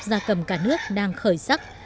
gia cầm cả nước đang khởi sắc